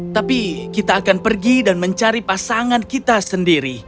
tapi kita akan pergi dan mencari pasangan kita sendiri